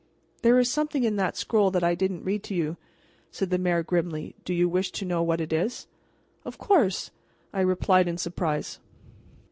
"There is something in that scroll that I didn't read to you," said the mayor grimly. "Do you wish to know what it is?" "Of course," I replied in surprise.